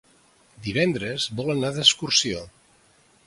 Divendres volen anar d'excursió.